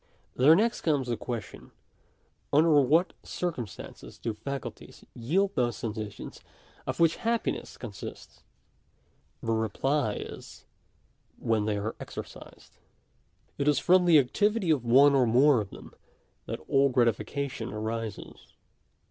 There next comes the question — under what circumstances do the faculties yield those sensations of which happiness con sists ? The reply is — when they are exercised. It is from the activity of one or more of them that all gratification arises.